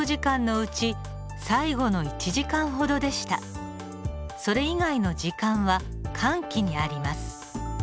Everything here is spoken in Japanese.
それ以外の時間は間期にあります。